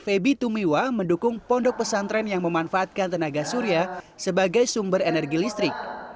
febi tumiwa mendukung pondok pesantren yang memanfaatkan tenaga surya sebagai sumber energi listrik